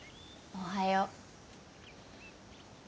おはよう。